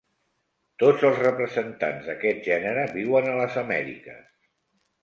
Tots els representants d'aquest gènere viuen a les Amèriques.